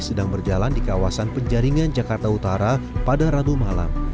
sedang berjalan di kawasan penjaringan jakarta utara pada rabu malam